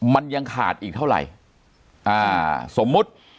มันยังขาดอีกเท่าไหร่